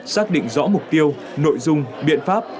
xác định rõ mục tiêu nội dung biện pháp